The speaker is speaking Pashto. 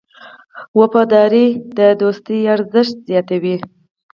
وفاداري د دوستۍ ارزښت زیاتوي.